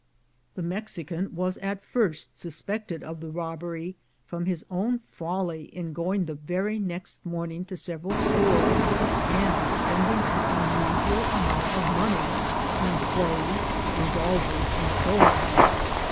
The Mexican was at first suspected of the robbery, from his own folly in going the very next morning to several stores, and spending an unusual amount of money on clothes, revolvers, and so on.